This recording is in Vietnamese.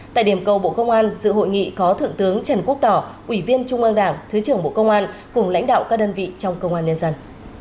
tại điểm cầu bộ công an dự hội nghị có thượng tướng trần quốc tỏ ủy viên trung ương đảng thứ trưởng bộ công an cùng lãnh đạo các đơn vị trong công an nhân dân